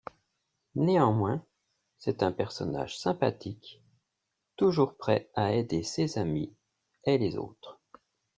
Néanmoins, c'est un personnage sympathique, toujours prêt à aider ses amis et les autres.